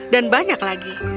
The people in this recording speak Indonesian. dan banyak lagi